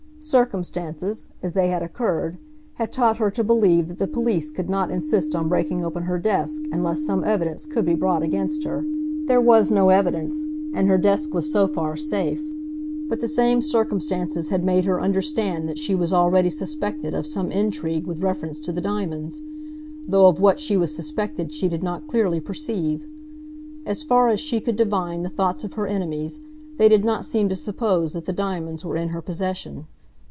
Circumstances, as they had occurred, had taught her to believe that the police could not insist on breaking open her desk unless some evidence could be brought against her. There was no evidence, and her desk was so far safe. But the same circumstances had made her understand that she was already suspected of some intrigue with reference to the diamonds, though of what she was suspected she did not clearly perceive. As far as she could divine the thoughts of her enemies, they did not seem to suppose that the diamonds were in her possession.